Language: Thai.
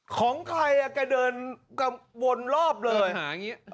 ของใครกะเดินกะวนรอบเลย